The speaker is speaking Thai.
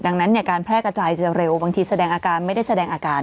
ดังนั้นการแพร่กระจายจะเร็วบางทีแสดงอาการไม่ได้แสดงอาการ